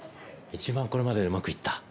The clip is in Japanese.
一番これまででうまくいった。